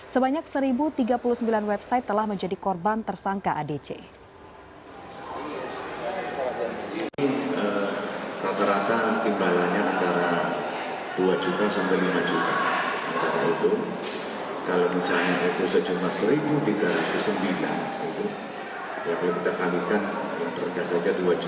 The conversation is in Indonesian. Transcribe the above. sebanyak satu tiga puluh sembilan website telah menjadi korban tersangka adc